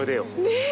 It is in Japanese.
ねえ？